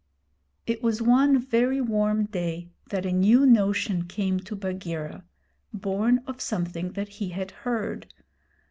It was one very warm day that a new notion came to Bagheera born of something that he had heard.